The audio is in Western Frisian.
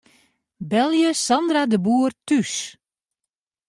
Belje Sandra de Boer thús.